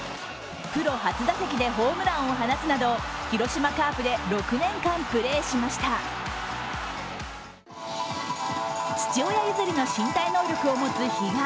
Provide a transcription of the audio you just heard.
プロ初打席でホームランを放つなど広島カープで６年間プレーしました父親譲りの身体能力を持つ比嘉。